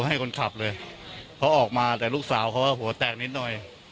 ให้คนขับเลยเขาออกมาแต่ลูกสาวเขาหัวแตกนิดหน่อย